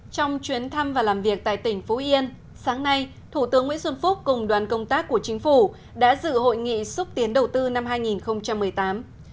trong chuyến thăm và làm việc tại tỉnh phú yên sáng nay thủ tướng nguyễn xuân phúc cùng đoàn công tác của chính phủ đã dự hội nghị xúc tiến đầu tư năm hai nghìn một mươi tám